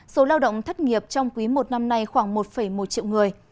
số lao động thất nghiệp trong quý i năm nay khoảng một một triệu người